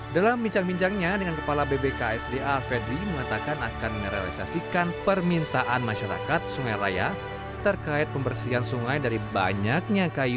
dalam bincang bincangnya dengan kepala bbksda fedri mengatakan akan merealisasikan permintaan masyarakat sungai raya terkait pembersihan sungai dari banyaknya kayu